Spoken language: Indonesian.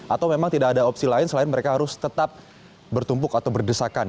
atau memang tidak ada opsi lain selain mereka harus tetap bertumpuk atau berdesakan